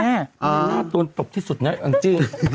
หน้าตัวตบที่สุดนะจริง